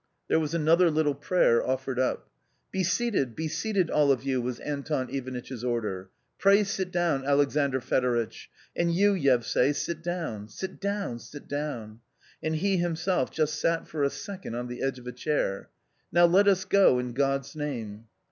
There was another little prayer offered up. " Be seated, be seated, all of you !" was Anton Ivanitch's order. " Pray sit down, Alexandr Fedoritch ; and you, Yevsay, sit down. Sit down, sit down !" And he himself just sat for a second on the edge of a chair. 4< Now let us go, in God's name."